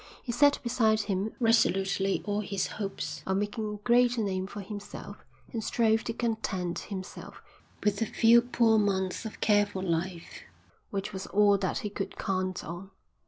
He set behind him resolutely all his hopes of making a great name for himself and strove to content himself with the few poor months of careful life which was all that he could count on.